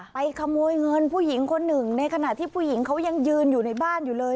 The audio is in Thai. ไปขโมยเงินผู้หญิงคนหนึ่งในขณะที่ผู้หญิงเขายังยืนอยู่ในบ้านอยู่เลย